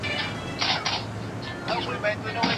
د نیمروز د غورغوری ولسوالي هم د دلارام په څنګ کي ده.